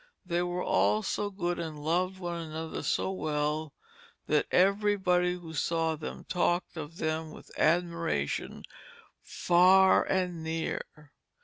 They were all so good and loved one another so well that every Body who saw them talked of them with Admiration far and near.